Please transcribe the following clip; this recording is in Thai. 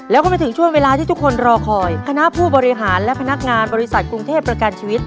แล้วก็มาถึงช่วงเวลาที่ทุกคนรอคอยคณะผู้บริหารและพนักงานบริษัทกรุงเทพประกันชีวิต